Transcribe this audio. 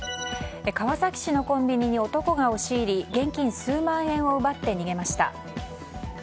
川崎市のコンビニに男が押し入り現金数万円を奪って逃げました。